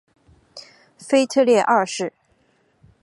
腓特烈二世。